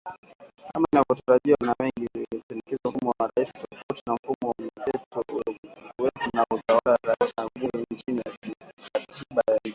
Kama inavyotarajiwa na wengi , inapendekeza mfumo wa urais tofauti na mfumo wa mseto uliokuwepo wa utawala wa rais na bunge chini ya katiba ya nchi.